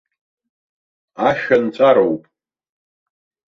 Ашәа нҵәароуп!